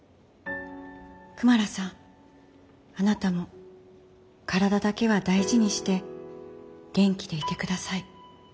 クマラさんあなたも身体だけは大事にして元気でいてください。